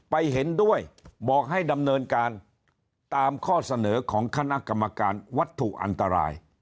เห็นด้วยบอกให้ดำเนินการตามข้อเสนอของคณะกรรมการวัตถุอันตราย